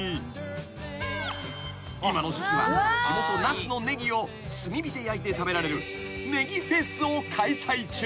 ［今の時季は地元那須のネギを炭火で焼いて食べられるねぎフェスを開催中］